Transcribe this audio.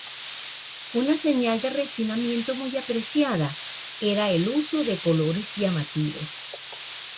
Una señal de refinamiento muy apreciada era el uso de colores llamativos.